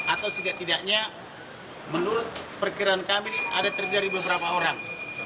atau setidak tidaknya menurut perkiraan kami ini ada terdiri dari beberapa orang